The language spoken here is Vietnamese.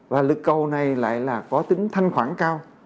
và lực cầu này lại là có tính thanh khoản cao